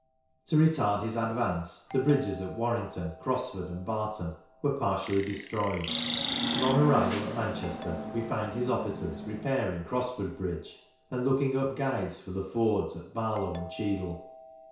To retard his advance the bridges at Warrington, Crosford, and Barton were partially destroyed, and on arrival at Manchester we find his officers repairing Crosford Bridge and looking up guides for the fords at Barlow and Cheadle.